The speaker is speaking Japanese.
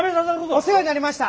お世話になりました。